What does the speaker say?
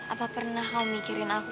apa pernah kau mikirin aku